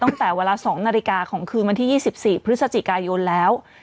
ตั้งแต่เวลาสองนาฬิกาของคืนวันที่ยี่สิบสี่พฤศจิกายนแล้ว